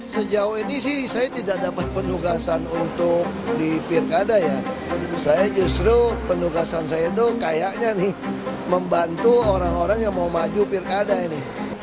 sejauh ini sih saya tidak dapat penugasan untuk di pilkada ya saya justru penugasan saya itu kayaknya nih membantu orang orang yang mau maju pilkada ini